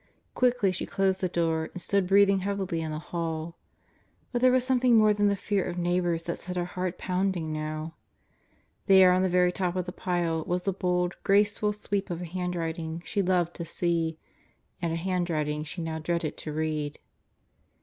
Quickly she closed the door and stood breathing heavily in the hall. But there was something more than the fear of neighbors that set her heart pounding now. There on the very top of the pile was the bold, graceful sweep of a handwriting she loved to see and a handwriting she now dreaded to read.